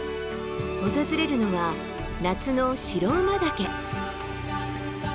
訪れるのは夏の白馬岳。